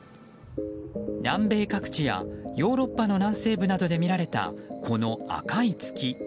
南米各地やヨーロッパの南西部などで見られたこの赤い月。